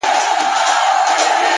نظم د سترو پلانونو بنسټ جوړوي,